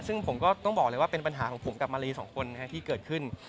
ซึ่งผมก็ต้องบอกเลยว่าเป็นปัญหาของผมกับมารีสองคนที่เกิดขึ้น